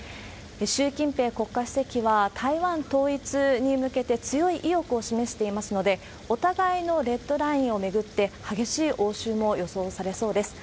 習近平国家主席は、台湾統一に向けて強い意欲を示していますので、お互いのレッドラインを巡って激しい応酬も予想されそうです。